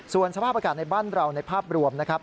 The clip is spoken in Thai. ส่วนสภาพอากาศในบ้านเราในภาพรวมนะครับ